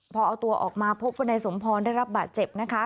พอเอาตัวออกมาพบว่านายสมพรได้รับบาดเจ็บนะคะ